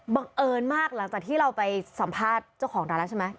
บังเอิญมากหลังจากที่เราไปสัมภาษณ์เจ้าของร้านแล้วใช่ไหม